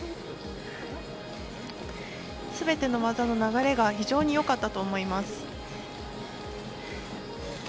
すべての技の流れが非常によかったと思います。